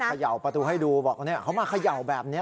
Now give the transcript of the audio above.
เขย่าประตูให้ดูบอกเขามาเขย่าแบบนี้